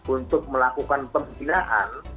untuk melakukan pemimpinan